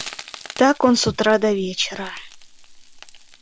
Так он с утра до вечера.